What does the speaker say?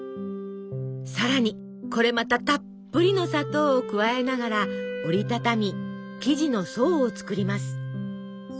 さらにこれまたたっぷりの砂糖を加えながら折り畳み生地の層を作ります。